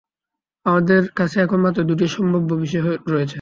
আমাদের কাছে এখন মাত্র দুটি সম্ভাব্য বিষয় রয়েছে।